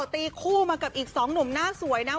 ตีคู่มากับอีก๒หนุ่มหน้าสวยนะ